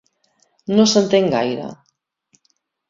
No s'entén gaire.